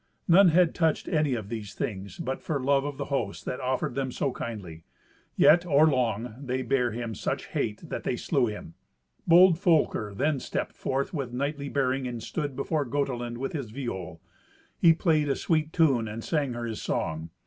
None had touched any of these things but for love of the host that offered them so kindly. Yet, or long, they bare him such hate that they slew him. Bold Folker then stepped forth with knightly bearing and stood before Gotelind with his viol. He played a sweet tune and sang her his song.